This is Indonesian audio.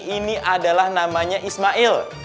ini adalah namanya ismail